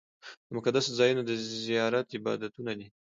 د مقدسو ځایونو د زیارت عبادتونه دي.